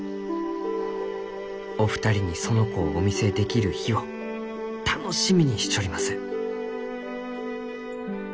お二人に園子をお見せできる日を楽しみにしちょります」。